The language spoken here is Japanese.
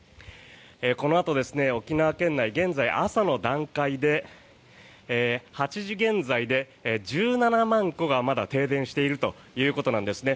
このあと沖縄県内現在、朝の段階で８時現在で１７万戸がまだ停電しているということなんですね。